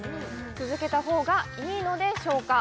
続けた方がいいのでしょうか？